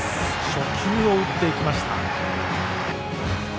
初球を打っていきました。